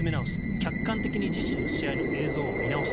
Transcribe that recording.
客観的に自身の試合の映像を見直す。